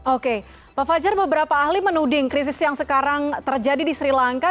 oke pak fajar beberapa ahli menuding krisis yang sekarang terjadi di sri lanka